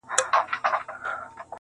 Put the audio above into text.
دا د پنځو زرو کلونو کمالونو کیسې-